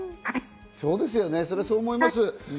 そう思います。